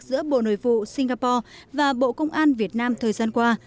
giữa bộ nội vụ singapore và bộ công an việt nam thời gian qua